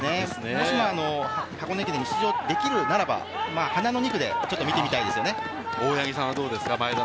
もしも箱根駅伝出場できるならば花の２区でちょっと見てみたいですね。